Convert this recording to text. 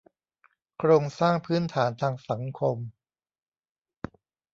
โครงสร้างพื้นฐานทางสังคม